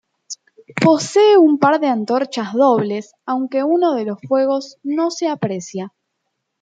Posee un par de antorchas dobles, aunque uno de los fuegos no se aprecia.